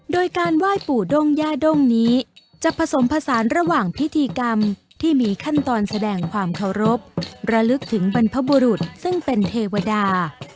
โดยการไหว้ปู่ด้งย่าด้งนี้จะผสมผสานระหว่างพิธีกรรมที่มีขั้นตอนแสดงความเคารพระลึกถึงบรรพบุรุษซึ่งเป็นเทวดา